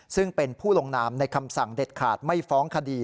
ซึ่งเป็นผู้ลงนามในคำสั่งเด็ดขาดไม่ฟ้องคดี